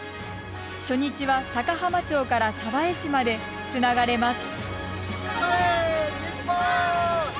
初日は高浜町から鯖江市までつながれます。